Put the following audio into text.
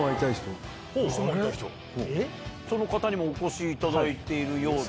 その方にもお越しいただいているようです。